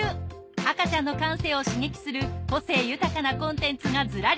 赤ちゃんの感性を刺激する個性豊かなコンテンツがずらり